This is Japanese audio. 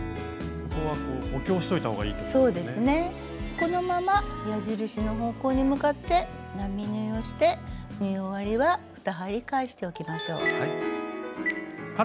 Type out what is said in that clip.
このまま矢印の方向に向かって並縫いをして縫い終わりは２針返しておきましょう。